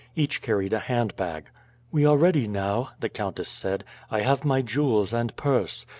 Each carried a handbag. "We are ready now," the countess said. "I have my jewels and purse.